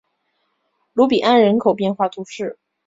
卢比安人口变化图示